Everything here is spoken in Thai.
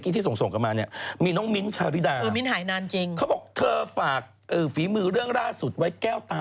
พี่ว่านเดชน์ไม่ได้เล่นละครสองปีเองแต่เรารู้สึกว่า